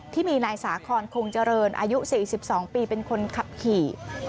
ที่มีนายสาคอนคงเจริญอายุ๔๒ปีเป็นคนขับขี่